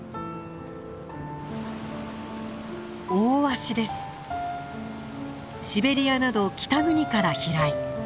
シベリアなど北国から飛来。